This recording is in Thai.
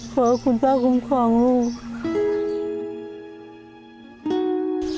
ขอให้คุณพ่อคุ้มของลูก